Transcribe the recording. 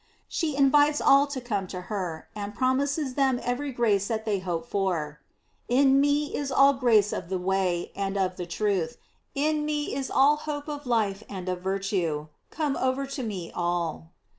"f She invites all to come to her, and promises them every grace that they hope for: "In me is all grace of the way and of the truth; in me is all hope of life and of virtue. ... come over to me all."